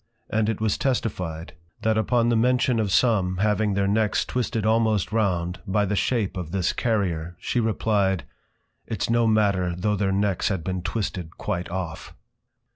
And it was testified, That upon the mention of some having their Necks twisted almost round, by the Shape of this Carrier, she replyed, _Its no matter though their Necks had been twisted quite off.